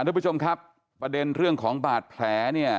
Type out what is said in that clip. ทุกผู้ชมครับประเด็นเรื่องของบาดแผลเนี่ย